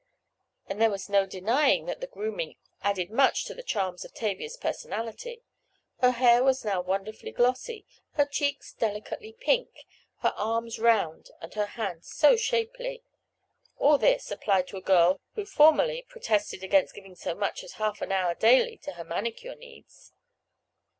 And there was no denying that the "grooming" added much to the charms of Tavia's personality. Her hair was now wonderfully glossy, her cheeks delicately pink, her arms round and her hands so shapely! All this, applied to a girl who formerly protested against giving so much as half an hour daily to her manicure needs!